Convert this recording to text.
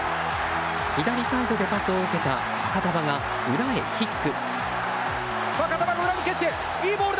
左サイドでパスを受けたファカタヴァが裏へキック。